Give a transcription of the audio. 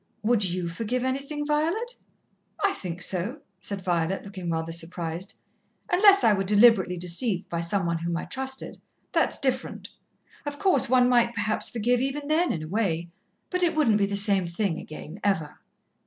"Would you forgive anything, Violet?" "I think so," said Violet, looking rather surprised. "Unless I were deliberately deceived by some one whom I trusted. That's different. Of course, one might perhaps forgive even then in a way but it wouldn't be the same thing again, ever."